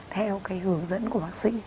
theo cái hướng dẫn của bác sĩ